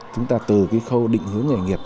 từ cái khâu định hướng nghề nghiệp